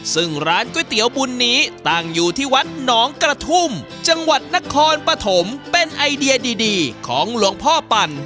ซึ่งร้านก๋วยเตี๋ยวบุญนี้ตั้งอยู่ที่วัดหนองกระทุ่มจังหวัดนครปฐมเป็นไอเดียดีของหลวงพ่อปั่น